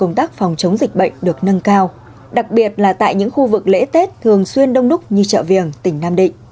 công tác phòng chống dịch bệnh được nâng cao đặc biệt là tại những khu vực lễ tết thường xuyên đông đúc như chợ viềng tỉnh nam định